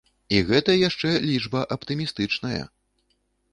І гэта яшчэ лічба аптымістычная.